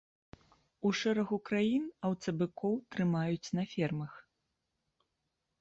У шэрагу краін аўцабыкоў трымаюць на фермах.